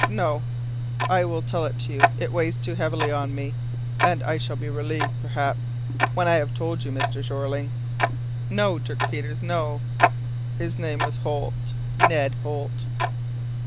"No, I will tell it to you. It weighs too heavily on me, and I shall be relieved, perhaps, when I have told you, Mr. Jeorling." "No, Dirk Peters, no!" "His name was Holt Ned Holt."